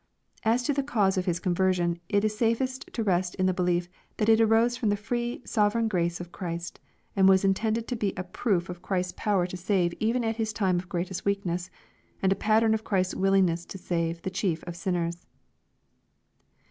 As to the cause of his conversion, it is safest to rest in the belief that it arose from the free, sovereign grace of Christ, and was intended to be a proof of Christ's power to save even at His time of greatest weakness, and a pattern of Christ's willingness to save the chief of sinners.